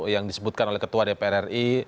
yang disebutkan oleh ketua dpr ri